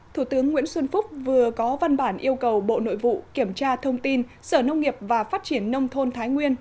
thủ tướng nguyễn xuân phúc vừa có văn bản yêu cầu bộ nội vụ kiểm tra thông tin sở nông nghiệp và phát triển nông thôn thái nguyên